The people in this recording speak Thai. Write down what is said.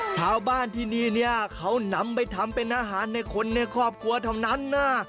ชาวบ้านที่นี่เนี่ยเขานำไปทำเป็นอาหารในคนในครอบครัวเท่านั้นนะ